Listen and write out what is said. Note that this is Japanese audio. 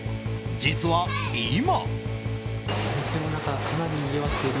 実は今。